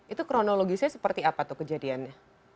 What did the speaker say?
itu kronologisnya seperti apa tuh kejadiannya